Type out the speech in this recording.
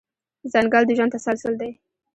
ځنګل د ژوند تسلسل دی.